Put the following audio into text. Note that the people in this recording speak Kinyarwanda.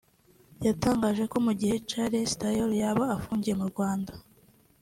yatangaje ko mu gihe Charles Taylor yaba afungiye mu Rwanda